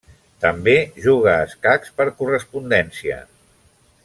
També juga a escacs per correspondència.